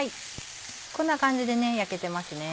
こんな感じで焼けてますね。